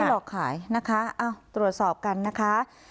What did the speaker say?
หลอกขายนะคะตรวจสอบกันนะคะ